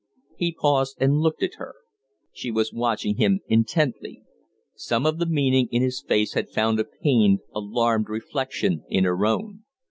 He paused and looked at her. She was watching him intently. Some of the meaning in his face had found a pained, alarmed reflection in her own.